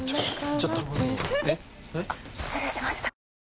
あっ失礼しました。